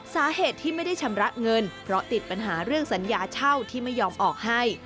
สาเหตุที่ไม่ได้ชำระเงินเพราะติดปัญหาเรื่องสัญญาเช่าที่ไม่ยอมออกให้